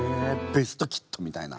「ベスト・キッド」みたいな。